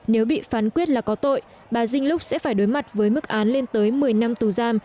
nếu bị phán quyết là có tội bà dinh lúc sẽ phải đối mặt với mức án lên tới một mươi năm tù giam